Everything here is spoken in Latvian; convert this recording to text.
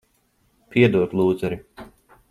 Piedod, lūzeri.